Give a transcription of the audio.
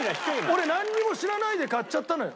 俺なんにも知らないで買っちゃったのよ。